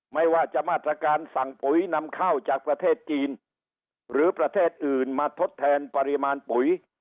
ไม่ว่าจะมาตรการสั่งปุ๋ยนำเข้าจากประเทศจีนหรือประเทศอื่นมาทดแทนปริมาณปุ๋ย